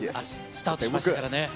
スタートしましたからね。